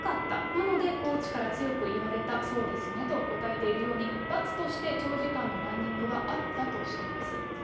なのでコーチから強く言われた、そうですねと答えているように、長時間のランニングはあったとしています。